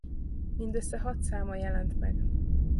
Mindössze hat száma jelent meg.